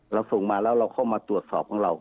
ส่งมาแล้วเราเข้ามาตรวจสอบของเรา